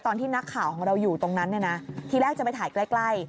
ตอนที่นักข่าวของเราอยู่ตรงนั้นเนี่ยนะทีแรกจะไปถ่ายใกล้